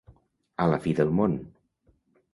A la fi del món.